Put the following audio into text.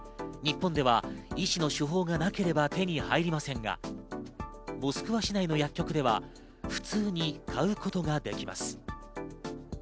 日本では医師の処方がなければ手に入りませんが、モスクワ市内の薬局では普通に買うことができます。